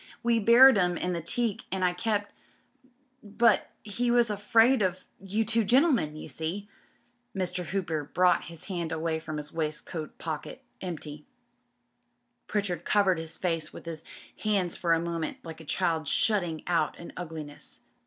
We buried 'em in the teak and I kept ... But he was a friend of you two gentlemen, you see.^ Mr. Hooper brought his hand away from hi« waistcoat pocket — empty. Pritchard covered his face with his hands for a moment, like a child shutting out an ugliness.